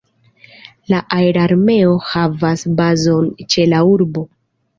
La Aerarmeo havas bazon ĉe la urbo.